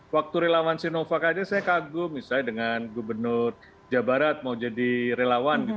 waktu relawan sinovac aja saya kagum misalnya dengan gubernur jawa barat mau jadi relawan